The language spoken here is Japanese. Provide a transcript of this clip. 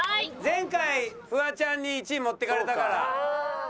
前回フワちゃんに１位持っていかれたから。